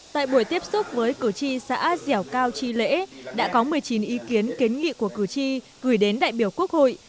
tại buổi tiếp xúc với cử tri xã dẻo cao tri lễ đã có một mươi chín ý kiến kiến nghị của cử tri gửi đến đại biểu quốc hội